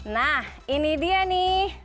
nah ini dia nih